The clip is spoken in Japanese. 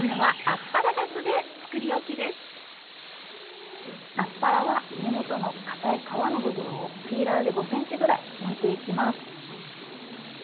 アスパラは根元のかたい皮の部分をピーラーで５ｃｍぐらいむいていきます。